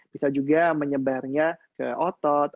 bisa juga menyebarnya ke otot